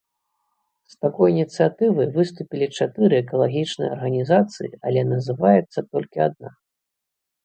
З такой ініцыятывай выступілі чатыры экалагічныя арганізацыі, але называецца толькі адна.